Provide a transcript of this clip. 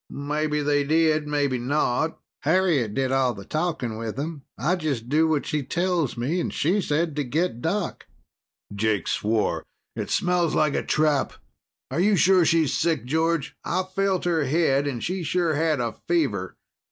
"Maybe they did, maybe not. Harriet did all the talking with them. I just do what she tells me, and she said to get Doc." Jake swore. "It smells like a trap. Are you sure she's sick, George?" "I felt her head and she sure had a fever."